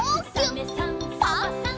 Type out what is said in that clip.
「サメさんサバさん」